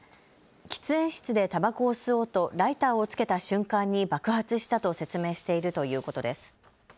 喫煙室でたばこを吸おうとライターをつけた瞬間に爆発したと説明しているということです。